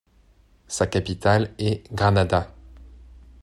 Sa capitale est Granada.